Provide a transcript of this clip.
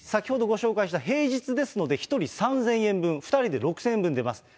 先ほどご紹介した平日ですので、１人３０００円分、２人で６０００円分出ます。